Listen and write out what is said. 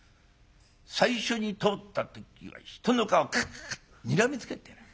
最初に通った時には人の顔クッとにらみつけてやがる。